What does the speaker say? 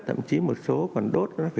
thậm chí một số còn đốt